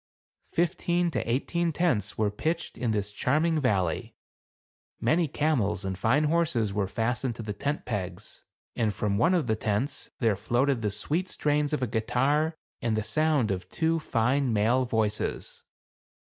Fifteen to eighteen tents were pitched in this charming valley ; many camels and fine horses were fastened to the tent pegs, and from one of the tents there floated the sweet strains of a guitar, and the sound of two fine male voices.